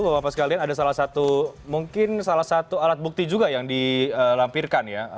bapak bapak sekalian ada salah satu mungkin salah satu alat bukti juga yang dilampirkan ya